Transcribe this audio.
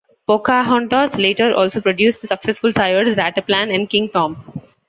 Pocahontas later also produced the successful sires, Rataplan and King Tom.